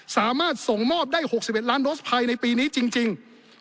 สามารถส่งมอบได้๖๑ล้านโดสภายในปีนี้จริง